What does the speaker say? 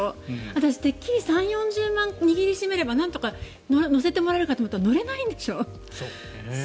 私、てっきり３０４０万握りしめればなんとか乗せてもらえるかと思ったら、乗れないんでしょ。